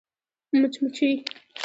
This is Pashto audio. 🐝 مچمچۍ